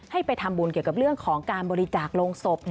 ให้ไปทำบุญเกี่ยวกับเรื่องของการบริจาคโรงศพ